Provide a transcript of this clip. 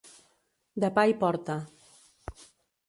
De pa i porta.